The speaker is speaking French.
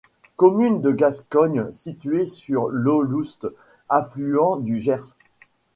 Commune de Gascogne située sur l'Aulouste, affluent du Gers.